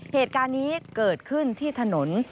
เหตุการณ์นี้เกิดขึ้นที่ถนน